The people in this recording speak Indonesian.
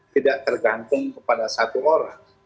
tidak tergantung kepada satu orang